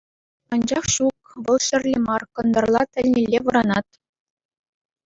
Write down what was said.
Анчах ҫук — вӑл ҫӗрле мар, кӑнтӑрла тӗлнелле вӑранать.